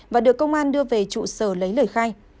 và được công an đưa về trụ sở lấy lời khai